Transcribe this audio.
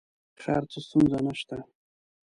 خیر څه ستونزه نه شته.